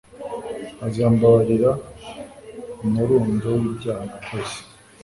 azambabarira umurundo w'ibyaha nakoze